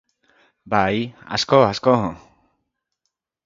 Bai, asko, asko.